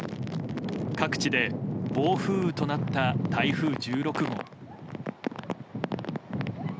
各地で暴風雨となった台風１６号。